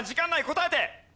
答えて。